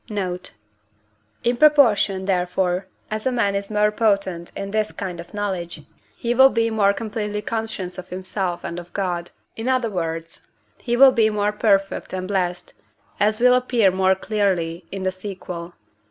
Note. In proportion, therefore, as a man is more potent in this kind of knowledge, he will be more completely conscious of himself and of God; in other words, he will be more perfect and blessed, as will appear more clearly in the sequel.